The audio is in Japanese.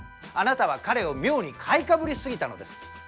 あなたは彼を妙に買いかぶりすぎたのです。